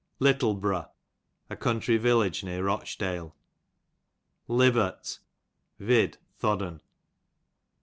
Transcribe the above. Ljttlebrough, a country village near Rochdale, Li vert, vid. thodden.